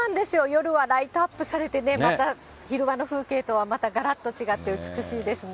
夜はライトアップされてね、また、昼間の風景とはまたがらっと違って美しいですね。